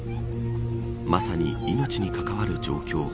まさに、命に関わる状況。